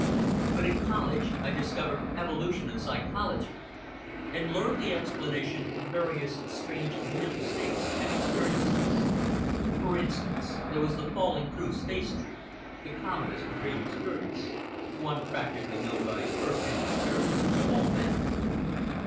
But at college I discovered evolution and psychology, and learned the explanation of various strange mental states and experiences. For instance, there was the falling through space dream—the commonest dream experience, one practically known, by first hand experience, to all men.